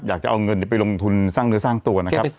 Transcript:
อยากจะเอาเงินไปลงทุนสร้างเนื้อสร้างตัวนะครับ